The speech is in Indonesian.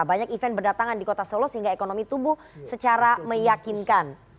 banyak event berdatangan di kota solo sehingga ekonomi tumbuh secara meyakinkan